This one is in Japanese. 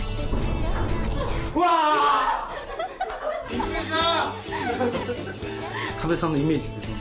びっくりした！